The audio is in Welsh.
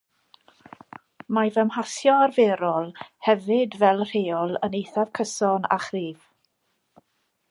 Mae fy mhasio arferol hefyd fel rheol yn eithaf cyson a cryf